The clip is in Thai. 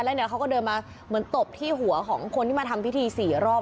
แล้วเนี่ยเขาก็เดินมาเหมือนตบที่หัวของคนที่มาทำพิธี๔รอบ